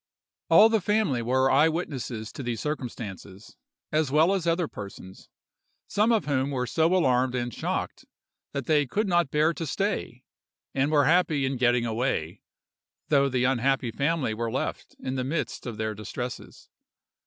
"All the family were eye witnesses to these circumstances, as well as other persons, some of whom were so alarmed and shocked, that they could not bear to stay, and were happy in getting away, though the unhappy family were left in the midst of their distresses.